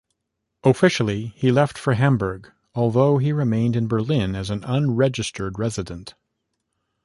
Officially he left for Hamburg, although he remained in Berlin as an unregistered resident.